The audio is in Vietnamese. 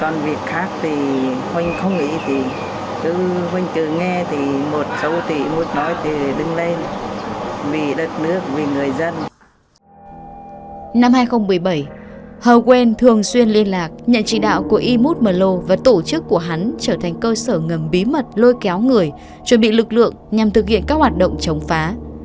năm hai nghìn một mươi bảy hờ quên thường xuyên liên lạc nhận chỉ đạo của imut mờ lô và tổ chức của hắn trở thành cơ sở ngầm bí mật lôi kéo người chuẩn bị lực lượng nhằm thực hiện các hoạt động chống phá